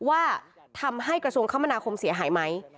ว่าทำให้กระทรวงคมนาคมเสียหายไหม